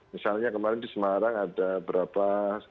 misalnya kemarin di semarang ada berapa